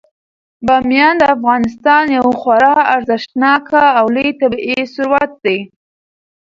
بامیان د افغانستان یو خورا ارزښتناک او لوی طبعي ثروت دی.